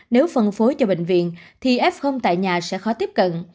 nếu phân phối cho bệnh viện thì f tại nhà sẽ khó tiếp cận